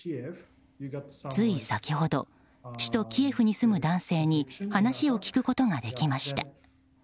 つい先ほど首都キエフに住む男性に話を聞くことができました。